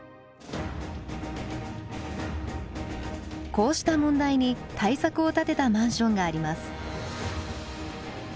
こうした問題に対策を立てたマンションがあります。